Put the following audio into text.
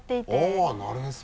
あぁなるへそ。